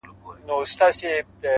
ماشومان درسره ژر مینه پیدا کوي